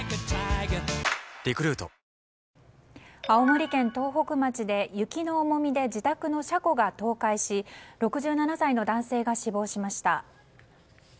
青森県東北町で雪の重みで自宅の車庫が倒壊し６７歳の男性が死亡しました。